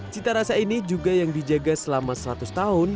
cita rasa ini juga yang dijaga selama seratus tahun